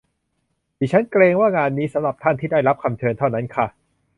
ดิฉันเกรงว่างานนี้สำหรับท่านที่ได้รับคำเชิญเท่านั้นค่ะ